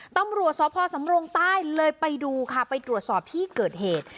ต่อต่อสวพสำร๙๑๑ไลยไปดูไปตรดตรวจสอบที่เกิดเหตุ